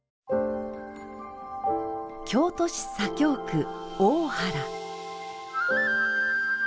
京都市左京区、大原。